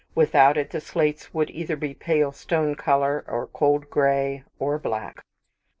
Without it the slates would either be pale stone colour, or cold gray, or black.